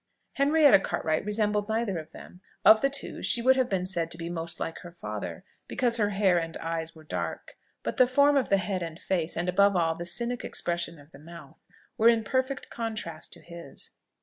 Henrietta Cartwright resembled neither of them: of the two, she would have been said to be most like her father, because her hair and eyes were dark; but the form of the head and face, and above all, the cynic expression of the mouth, were in perfect contrast to his.